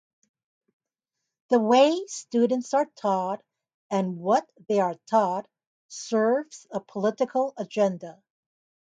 The way students are taught and what they are taught serves a political agenda.